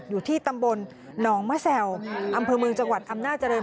อยู่ที่ตำบลหนองมะแซวอำเภอเมืองจังหวัดอำนาจริง